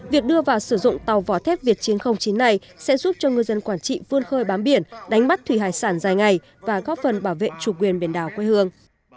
việc đưa vào sử dụng tàu vỏ thép việt chín trăm linh chín này sẽ giúp cho ngư dân quảng trị vươn khơi bám biển đánh bắt thủy hải sản dài ngày và góp phần bảo vệ chủ quyền biển đảo quê hương